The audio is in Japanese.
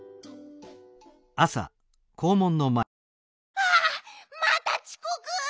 あまたちこく！